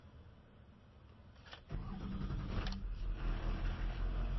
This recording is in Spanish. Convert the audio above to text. Es conocido principalmente como escultor de retrato.